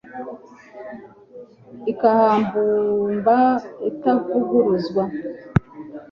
Ikahabumba itavuguruzwa